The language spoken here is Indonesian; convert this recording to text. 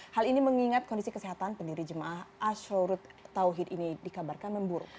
hal ini mengingat kondisi kesehatan pendiri jemaah ashurut tauhid ini dikabarkan memburuk